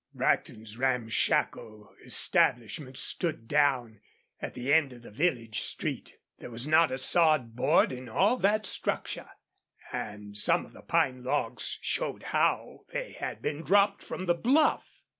Brackton's ramshackle establishment stood down at the end of the village street. There was not a sawed board in all that structure, and some of the pine logs showed how they had been dropped from the bluff.